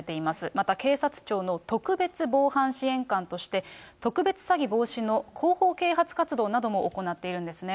また警察庁の特別防犯支援官として、特別詐欺防止の広報啓発活動なども行っているんですね。